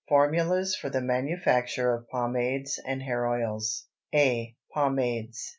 FORMULAS FOR THE MANUFACTURE OF POMADES AND HAIR OILS. A. Pomades.